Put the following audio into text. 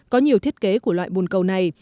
có nhiều thiết kế của loại bồn cầu này